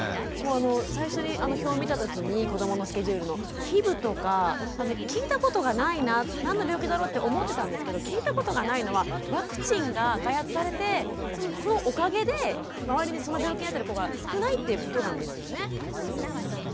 最初にあの表見た時に子どものスケジュールのＨｉｂとか聞いたことがないな何の病気だろうって思ってたんですけど聞いたことがないのはワクチンが開発されてそのおかげで周りにその病気になってる子が少ないってことなんですよね。